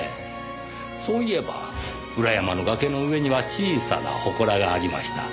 そういえば裏山の崖の上には小さな祠がありました。